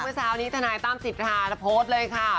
เมื่อเศร้านี้ทศนัยตั้มศิษฐาและโพสต์เลยค่ะ